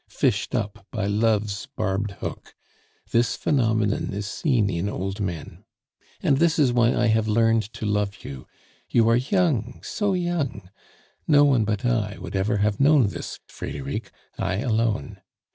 Fished up by love's barbed hook. This phenomenon is seen in old men. "And this is why I have learned to love you, you are young so young! No one but I would ever have known this, Frederic I alone.